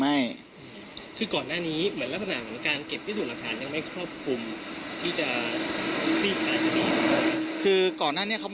มันไม่ใช่แหละมันไม่ใช่แหละ